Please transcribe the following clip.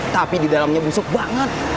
tapi di dalamnya busuk banget